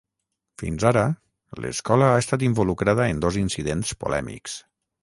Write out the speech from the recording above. Fins ara, l'escola ha estat involucrada en dos incidents polèmics.